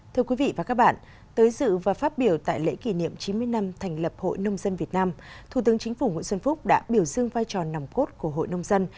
thủ tướng chính phủ nguyễn xuân phúc đã biểu dương vai trò nằm cốt của hội nông dân